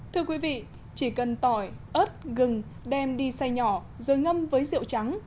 thưa quý vị chỉ cần tỏi ớt gừng đem đi xay nhỏ rồi ngâm với rượu trắng